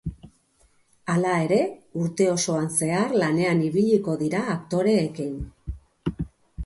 Hala ere, urte osoan zehar lanean ibiliko dira aktoreekin.